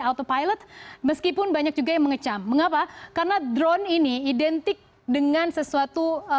autopilot meskipun banyak juga yang mengecam mengapa karena drone ini identik dengan sesuatu